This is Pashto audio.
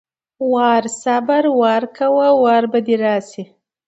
وار=صبر، وار کوه وار به دې راشي!